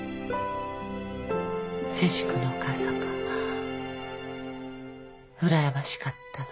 誠治君のお母さんがうらやましかったの。